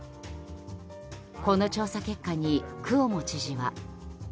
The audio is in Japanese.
この調査結果にクオモ知事は。